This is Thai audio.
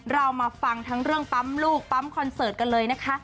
เรามาฟังทั้งเรื่องปั๊มลูกปั๊มคอนเสิร์ตกันเลยนะคะ